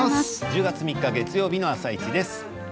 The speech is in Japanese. １０月３日月曜日の「あさイチ」です。